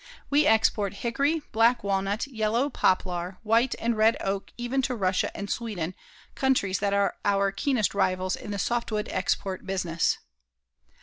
We export hickory, black walnut, yellow poplar, white and red oak even to Russia and Sweden, countries that are our keenest rivals in the softwood export business.